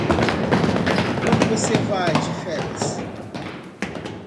Quando você vai de férias?